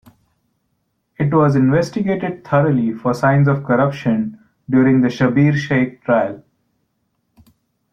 It was investigated thoroughly for signs of corruption during the Schabir Shaik Trial.